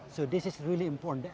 jadi ini sangat penting